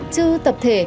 chứ tập thể